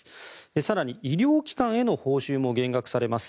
更に、医療機関への報酬も減額されます。